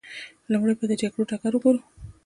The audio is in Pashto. لومړی به د جګړې ډګر وګورو.